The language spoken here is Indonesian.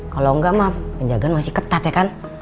kalau enggak mah penjagaan masih ketat ya kan